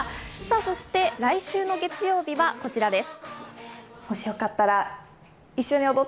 そして来週の月曜日はこちらです。